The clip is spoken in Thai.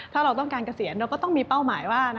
ถ้าเราต้องการเกษียณเราก็ต้องมีเป้าหมายว่า